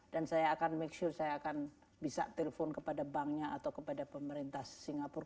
dan saya akan make sure saya akan bisa telepon kepada banknya atau kepada pemerintah singapura